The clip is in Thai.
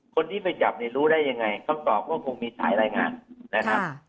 คนที่ไปจับเนี่ยรู้ได้ยังไงคำตอบก็คงมีสายรายงานนะครับ